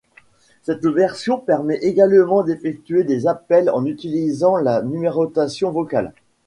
Cette version permet également d'effectuer des appels en utilisant la numérotation vocale.